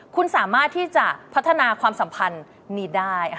คุณสามารถที่จะพัฒนาความสัมพันธ์นี้ได้